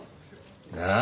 なあ？